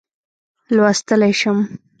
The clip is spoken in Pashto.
لوستلای شم.